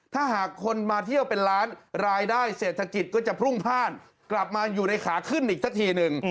ถ้าหากคนมาเที่ยวเป็นล้านรายได้เศรษฐกิจก็จะพรุ่งพลาดกลับมาอยู่ในขาขึ้นอีกสักทีหนึ่ง